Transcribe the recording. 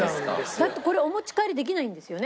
だってこれお持ち帰りできないんですよね？